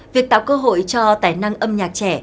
việc tạo cơ hội cho tài năng âm nhạc trẻ